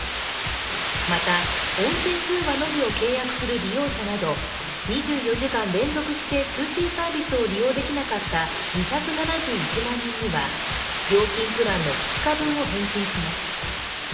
また、音声通話のみを契約する利用者など２４時間連続して通信サービスを利用できなかった２７１万人には料金プランの２日分を返金します。